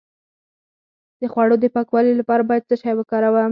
د خوړو د پاکوالي لپاره باید څه شی وکاروم؟